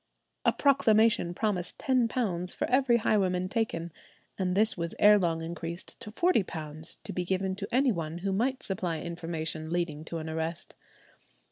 A proclamation promised £10 for every highwayman taken, and this was ere long increased to £40, to be given to any one who might supply information leading to an arrest.